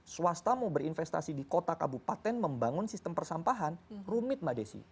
swasta mau berinvestasi di kota kabupaten membangun sistem persampahan rumit mbak desi